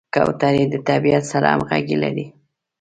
کوترې د طبیعت سره همغږي لري.